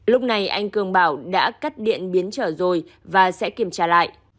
lúc này anh cường bảo đã cắt điện biến trở rồi và sẽ kiểm tra lại